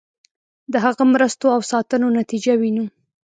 د هغه مرستو او ساتنو نتیجه وینو.